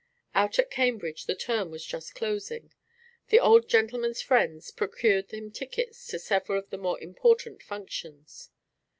Out at Cambridge the term was just closing. The Old Gentleman's friends procured him tickets to several of the more important functions.